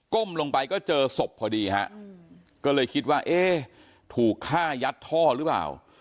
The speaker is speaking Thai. ลงไปก็เจอศพพอดีฮะก็เลยคิดว่าเอ๊ะถูกฆ่ายัดท่อหรือเปล่า